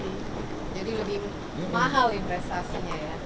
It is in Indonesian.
jadi lebih mahal investasinya ya